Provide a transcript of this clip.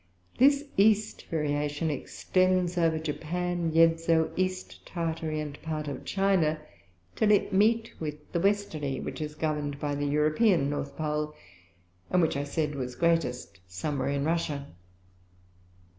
This East Variation extends over Japan, Yedzo, East Tartary, and part of China, till it meet with the Westerly, which is govern'd by the European North Pole, and which I said was greatest some where in Russia.